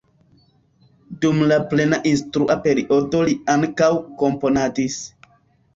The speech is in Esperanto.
Dum la plena instrua periodo li ankaŭ komponadis.